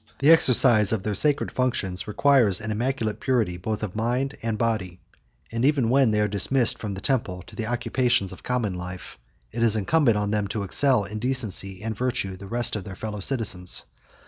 The exercise of their sacred functions requires an immaculate purity, both of mind and body; and even when they are dismissed from the temple to the occupations of common life, it is incumbent on them to excel in decency and virtue the rest of their fellow citizens.